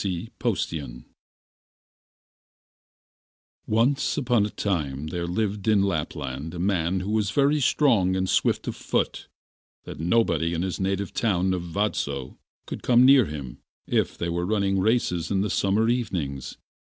C. Poestion.] Andras Baive Once upon a time there lived in Lapland a man who was so very strong and swift of foot that nobody in his native town of Vadso could come near him if they were running races in the summer evenings.